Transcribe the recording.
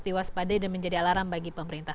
diwaspadai dan menjadi alarm bagi pemerintah